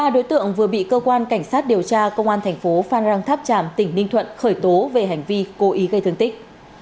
ba đối tượng vừa bị cơ quan cảnh sát điều tra công an thành phố phan rang tháp tràm tỉnh ninh thuận khởi tố về hành vi cố ý gây thương tích